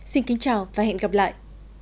xin kính chào và hẹn gặp lại